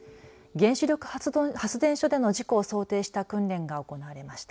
原子力発電所での事故を想定した訓練が行われました。